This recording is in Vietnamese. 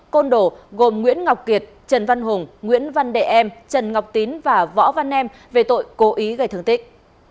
côn đổ gồm nguyễn ngọc kiệt trần văn hùng nguyễn văn đệ em trần ngọc tín và võ văn em về tội cố ý gây thương tích